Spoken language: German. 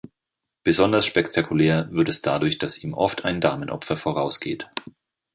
Besonders spektakulär wird es dadurch, dass ihm oft ein Damenopfer vorausgeht.